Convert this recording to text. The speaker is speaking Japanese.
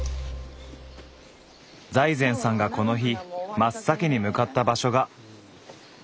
財前さんがこの日真っ先に向かった場所が。